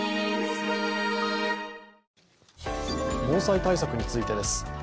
防災対策についてです。